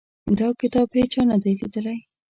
دا کتاب هیچا نه دی لیدلی.